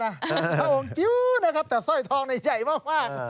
ถ้าบอกจิ๊วนะครับแต่สร้อยทองใหญ่มาก